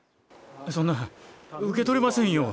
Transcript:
そんなうけとれませんよ。